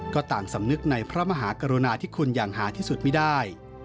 ก็ต่างสำนึกในพระมหากรุณาที่คุณอย่างหาที่สุดไม่ได้